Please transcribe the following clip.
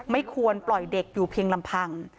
ไม่ควรปล่อยเด็กอยู่เพียงลำพัง